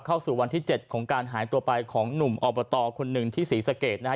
เข้าสู่วันที่๗ของการหายตัวไปของหนุ่มอบตคนหนึ่งที่ศรีสะเกดนะฮะ